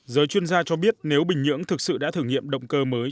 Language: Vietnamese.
giới chuyên gia cho biết nếu bình nhưỡng thực sự đã thử nghiệm động cơ mới